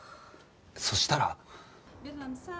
そしたら。